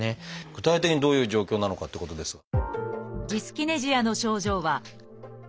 具体的にどういう状況なのかってことですが。